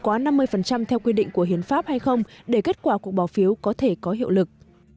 quá năm mươi theo quy định của hiến pháp hay không để kết quả cuộc bỏ phiếu có thể có hiệu lực